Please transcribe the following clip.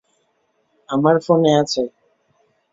আমার ফোনে আছে।